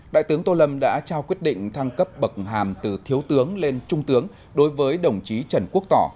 đại tướng tô lâm đã trao quyết định thăng cấp bậc hàm từ thiếu tướng lên trung tướng đối với đồng chí trần quốc tỏ